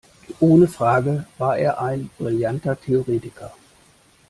Ohne Frage war er ein brillanter Theoretiker.